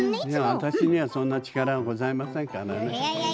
私にはそんな力はございませんからね。